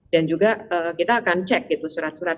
dan juga kita akan cek gitu surat surat